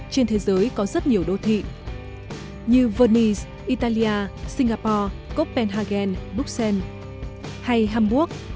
trên thế giới có rất nhiều đô thị như venice italia singapore hagen bruxelles hay hamburg